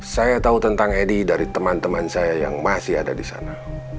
saya tahu tentang edi dari teman teman saya yang masih ada di sana